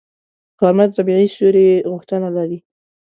غرمه د طبیعي سیوري غوښتنه لري